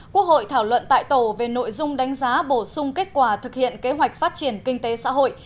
quốc hội thảo luận tại tổ về nội dung đánh giá bổ sung kết quả thực hiện kế hoạch phát triển kinh tế xã hội